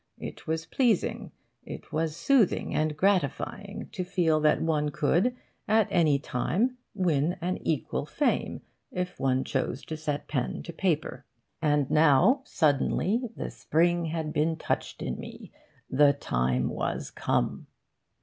It was pleasing, it was soothing and gratifying, to feel that one could at any time win an equal fame if one chose to set pen to paper. And now, suddenly, the spring had been touched in me, the time was come.